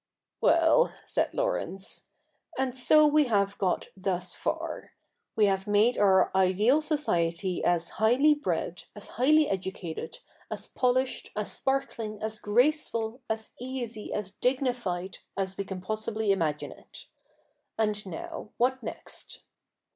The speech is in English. '' Well,' said Laurence, " and so we have got thus far — we have made our ideal society as highly bred, as highly educated, as polished, as sparkling, as graceful, as easy, as dignified, as we can possibly imagine it. And now, what next